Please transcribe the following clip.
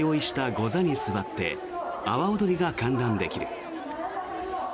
ゴザに座って阿波おどりが観覧できる。